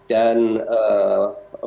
dan facebook page tentang bola itu